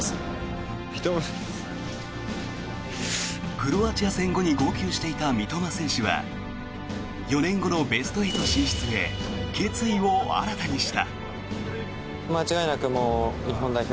クロアチア戦後に号泣していた三笘選手は４年後のベスト８進出へ決意を新たにした。